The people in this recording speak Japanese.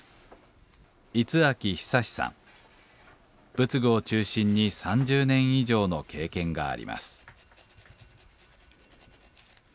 仏具を中心に３０年以上の経験があります。